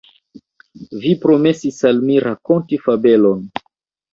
Vi promesis al mi rakonti fabelon.